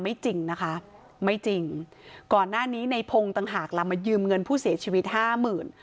จริงนะคะไม่จริงก่อนหน้านี้ในพงศ์ต่างหากล่ะมายืมเงินผู้เสียชีวิตห้าหมื่น